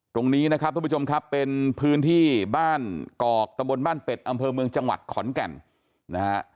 ตรงนี้นะครับทุกผู้ชมครับเป็นพื้นที่บ้านกอกตะบนบ้านเป็ดอำเภอเมืองจังหวัดขอนแก่นนะฮะ